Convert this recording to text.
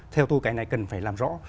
theo tôi cái này cần phải làm rõ